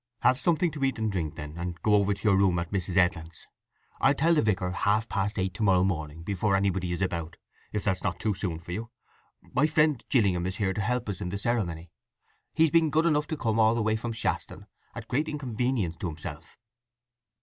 "Have something to eat and drink then, and go over to your room at Mrs. Edlin's. I'll tell the vicar half past eight to morrow, before anybody is about—if that's not too soon for you? My friend Gillingham is here to help us in the ceremony. He's been good enough to come all the way from Shaston at great inconvenience to himself."